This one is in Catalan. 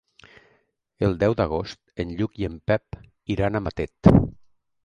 El deu d'agost en Lluc i en Pep iran a Matet.